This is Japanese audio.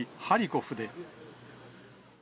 ハリコフで。